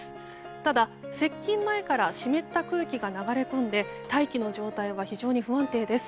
ただ、接近前から湿った空気が流れ込んで大気の状態は非常に不安定です。